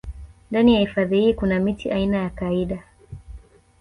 Ndani ya hifadhi hii kuna miti aina ya kaida